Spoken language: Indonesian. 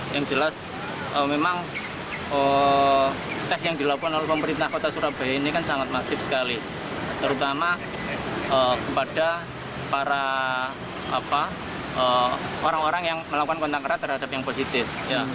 yang jelas memang tes yang dilakukan oleh pemerintah kota surabaya ini kan sangat masif sekali terutama kepada para orang orang yang melakukan kontak erat terhadap yang positif